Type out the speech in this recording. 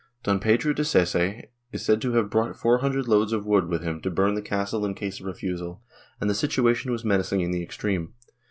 Don Pedro de Sese is said to have brought four hundred loads of wood with which to burn the castle in case of refusal, and the situation was menacing in the extreme.